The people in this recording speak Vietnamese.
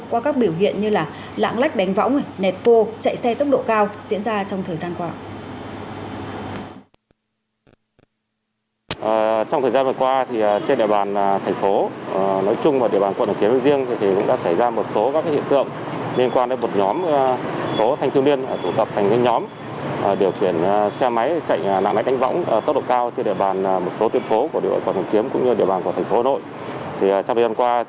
qua các biểu hiện như lạng lách đánh võng nẹp vô chạy xe tốc độ cao diễn ra trong thời gian qua